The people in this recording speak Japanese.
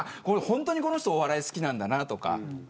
本当にこの人お笑い好きなんだなとか。